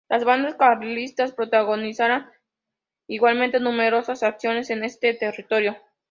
Las bandas carlistas protagonizarían igualmente numerosas acciones en este territorio.